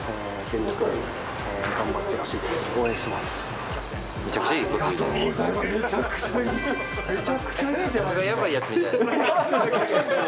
僕がやばいやつみたい。